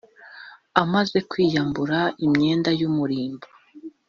amaze kwiyambura imyenda y’umurimbo,